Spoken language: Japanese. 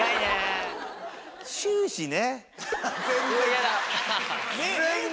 終始ね。